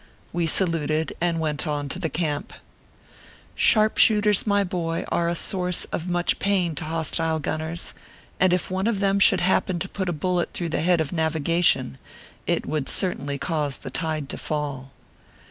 We saluted, and went on to the camp. Shaq)shooters, my boy, are a source of much pain to hostile gunners, and if one of them should happen to put a bullet through the head of navigation, it would certainly cause the tide to fall.